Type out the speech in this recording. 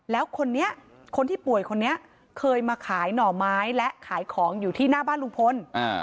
แล้วคนนี้คนที่ป่วยคนนี้เคยมาขายหน่อไม้และขายของอยู่ที่หน้าบ้านลุงพล